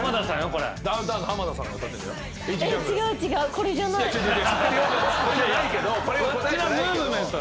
これ答えじゃないけど。